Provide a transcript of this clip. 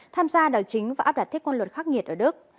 tham gia đảo chính và áp đặt thiết quan luật khắc nghiệt ở đức